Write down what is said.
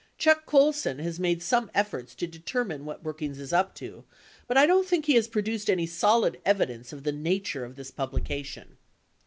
Chuck Colson has made some efforts to determine what Brookings is up to but I don't think he has produced any solid evidence of the na ture of this publication.